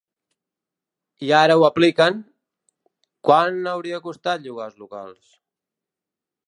I ara ho apliquen: Quan hauria costat llogar els locals?